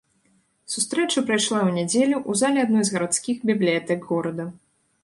Сустрэча прайшла ў нядзелю ў залі адной з гарадскіх бібліятэк горада.